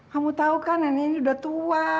kamu tahu kan nenek ini udah tua